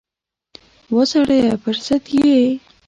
وا سړیه پر سد یې ؟